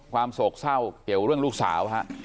โศกเศร้าเกี่ยวเรื่องลูกสาวฮะ